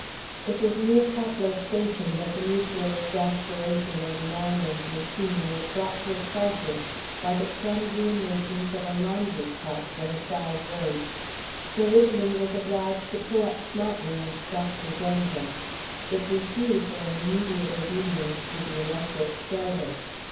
It was near Taplow station that the mutual exasperation of man and machine was brought to a crisis by the clumsy emergence of a laundry cart from a side road. Sir Richmond was obliged to pull up smartly and stopped his engine. It refused an immediate obedience to the electric starter.